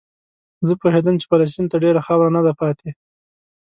زه پوهېدم چې فلسطین ته ډېره خاوره نه ده پاتې.